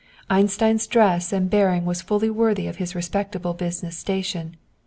Einstein's dress and bearing was fully worthy of his respectable business station.